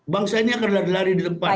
maksud saya ini akan lari lari di tempat